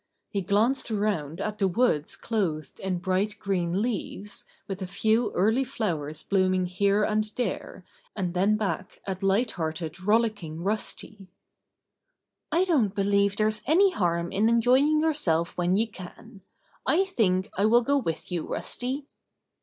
He glanced around at the woods clothed in bright green leaves, with a few early flowers blooming here and there, and then back at light hearted, rollicking Rusty. "I don't believe there's any harm in enjoy ing yourself when you can. I think I will go with you. Rusty."